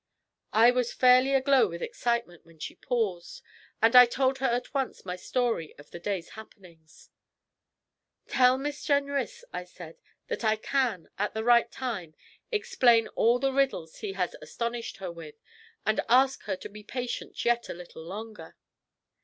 I was fairly aglow with excitement when she paused, and I told her at once my story of the day's happenings. 'Tell Miss Jenrys,' I said, 'that I can, at the right time, explain all the riddles he has astonished her with, and ask her to be patient yet a little longer.'